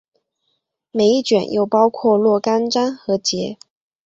每一卷又包括若干章和节。